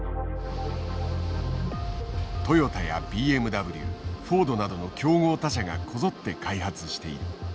トヨタやＢＭＷフォードなどの競合他社がこぞって開発している。